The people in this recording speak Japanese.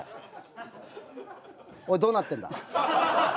おいどうなってんだ？